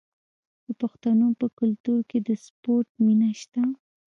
د پښتنو په کلتور کې د سپورت مینه شته.